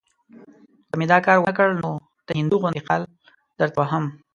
که مې دا کار ونه کړ، نو د هندو غوندې خال درته وهم.